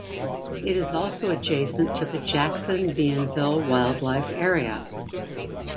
It is also adjacent to the Jackson Bienville Wildlife Area.